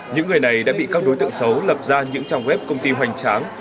những người này đã bị các đối tượng xấu lập ra những trang web công ty hoành tráng